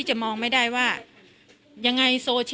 กินโทษส่องแล้วอย่างนี้ก็ได้